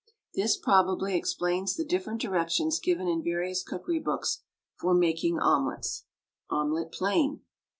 This probably explains the different directions given in various cookery books for making omelets. OMELET, PLAIN.